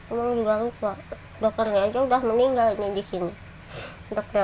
omang juga lupa dokternya aja udah meninggal nih di sini